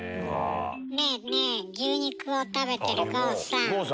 ねぇねぇ牛肉を食べてる郷さん。